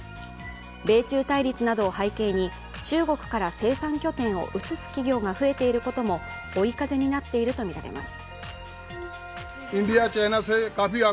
米中対立などを背景に中国から生産拠点を移す企業が増えていることも追い風になっているとみられます。